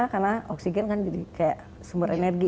karena oksigen kan jadi kayak sumber energi ya